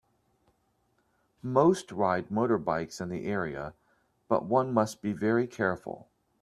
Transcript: Most ride motorbikes in the area but one must be very careful.